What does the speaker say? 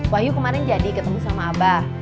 wahyu kemarin jadi ketemu sama abah